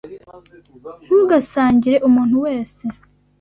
Ntugasangire umuntu wese.